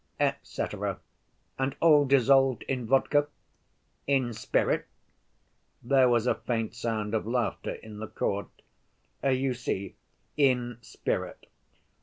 "Etcetera. And all dissolved in vodka?" "In spirit." There was a faint sound of laughter in the court. "You see, in spirit.